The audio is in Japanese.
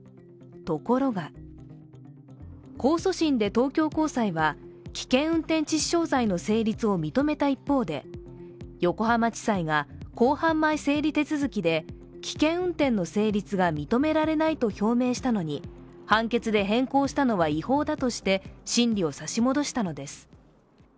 ところが控訴審で東京高裁は危険運転致死傷罪の成立を認めた一方で、横浜地裁が、公判前整理手続きで危険運転の成立は認められないと表明したのに判決で変更したのは違法だとして審理を差し戻したのです。